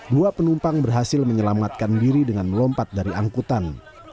dua penumpang berhasil menyelamatkan diri dengan melompat dari angkutan